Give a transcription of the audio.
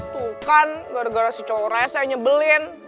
tuh kan gara gara si cowok res yang nyebelin